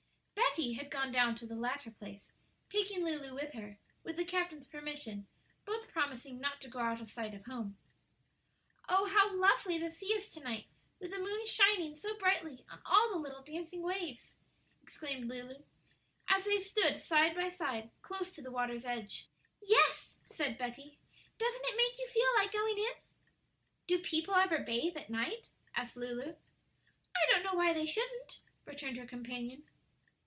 Betty had gone down to the latter place, taking Lulu with her, with the captain's permission, both promising not to go out of sight of home. "Oh, how lovely the sea is to night, with the moon shining so brightly on all the little dancing waves!" exclaimed Lulu, as they stood side by side close to the water's edge. "Yes," said Betty; "doesn't it make you feel like going in?" "Do people ever bathe at night?" asked Lulu. "I don't know why they shouldn't," returned her companion.